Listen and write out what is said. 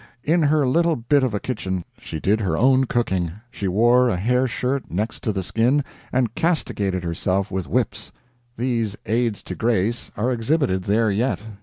In her little bit of a kitchen she did her own cooking; she wore a hair shirt next the skin, and castigated herself with whips these aids to grace are exhibited there yet.